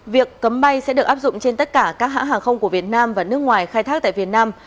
việc cấm bay sẽ được áp dụng trên tất cả các hãng hàng không của việt nam và nước ngoài khai thác tại việt nam